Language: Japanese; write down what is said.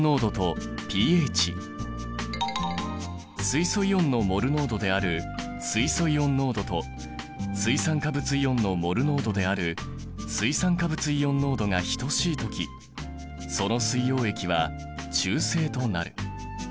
水素イオンのモル濃度である水素イオン濃度と水酸化物イオンのモル濃度である水酸化物イオン濃度が等しい時その水溶液は中性となる。